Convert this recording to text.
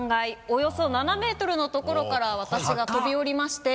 およそ７メートルのところから私が飛び降りまして。